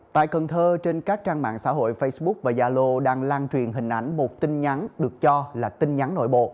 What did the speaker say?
tại cần thơ trên các trang mạng xã hội facebook và zalo đang lan truyền hình ảnh một tin nhắn được cho là tin nhắn nội bộ